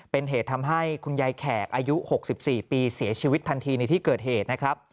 เป็นเหตุทำให้คุณยายแขกอายุ๖๔ปีเสียชีวิตทันทีในที่เกิดเหตุนะครับ